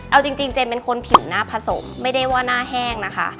เอาจริงเจนเป็นคนผิวหน้าผสมไม่ได้ว่าหน้าแห้งนะคะ